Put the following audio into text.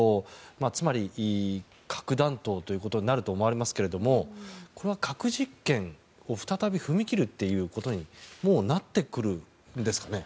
つまり核弾頭ということになると思われますがこれは核実験を再び踏み切るということにもう、なってくるんですかね。